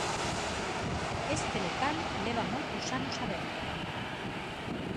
Este local leva moitos anos aberto.